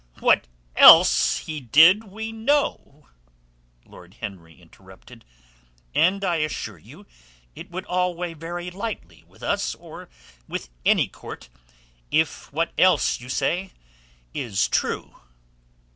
"What else he did we know," Lord Henry interrupted. "And I assure you it would all weigh very lightly with us or with any court if what else you say is true."